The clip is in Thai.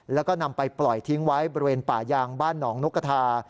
แล้วก็นำไปปล่อยทิ้งไว้บริเวณป่ายางบ้านหนองนกกระทา